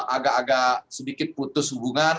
agak agak sedikit putus hubungan